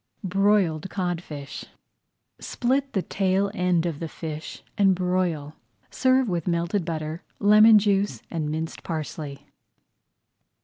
BROILED CODFISH Split the tail end of the fish and broil. Serve with melted butter, lemon juice, and minced parsley.